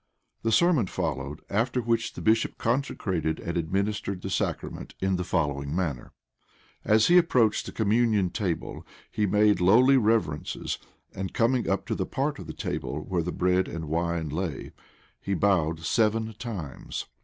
The sermon followed; after which the bishop consecrated and administered the sacrament in the following manner. As he approached the communion table, he made many lowly reverences; and coming up to that part of the table where the bread and wine lay, he bowed seven times.